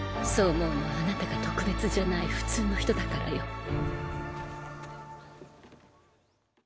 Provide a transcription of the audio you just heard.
そう思うのはあなたが特別じゃない普通の人だからよ。